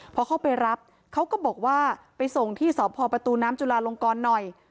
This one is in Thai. พอเข้าไปรับเขาก็บอกว่าไปส่งที่สพประตูน้ำจุลาลงกรหน่อย